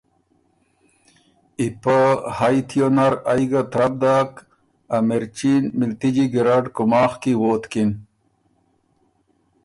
ای پۀ هئ تیو نر ائ ګه ترپ داک ا مِرچي ن مِلتِجی ګیرډ کُوماخ کی ووتکِن